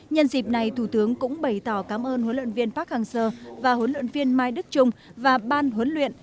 nhân dịp này thủ tướng cũng bày tỏ cảm ơn huấn luyện viên park hang seo và huấn luyện viên mai đức trung và ban huấn luyện